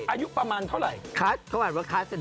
อายุประมาณเท่าไหรค